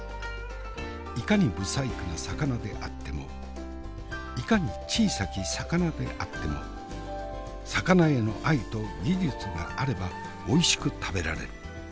いかに不細工な魚であってもいかに小さき魚であっても魚への愛と技術があればおいしく食べられる。